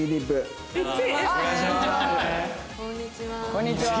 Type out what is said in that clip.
こんにちは。